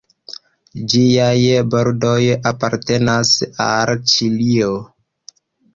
Ĝiaj bordoj apartenas al Ĉilio.